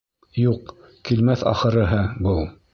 Юҡ, килмәҫ ахырыһы был.